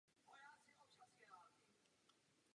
Instalací ovladače Omega ztrácely karty svoji záruku.